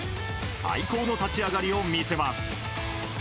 最高の立ち上がりを見せます。